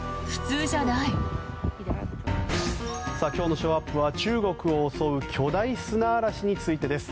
今日のショーアップは中国を襲う巨大砂嵐についてです。